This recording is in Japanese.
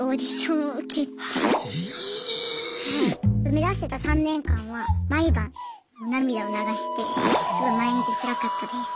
目指してた３年間は毎晩涙を流してすごい毎日つらかったです。